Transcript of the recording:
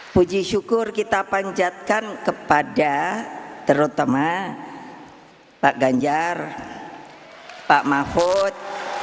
puji syukur kita panjatkan kepada terutama pak ganjar pak mahfud